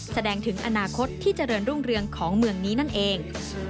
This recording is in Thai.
แสดงถึงอนาคตที่เจริญรุ่งเรืองของเมืองนี้นั่นเอง